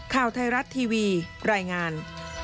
ข่าวไทยรัฐทีวีรายงาน